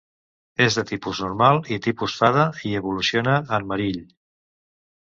És de tipus normal i tipus fada i evoluciona en Marill.